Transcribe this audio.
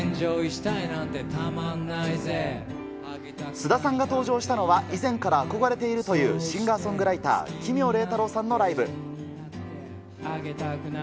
菅田さんが登場したのは、以前から憧れているというシンガーソングライター、奇妙礼太郎さんのライブ。